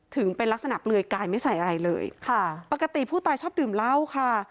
ถึงเป็นลักษณะเปลือยกายไม่ใส่อะไรเลยค่ะปกติผู้ตายชอบดื่มเหล้าค่ะ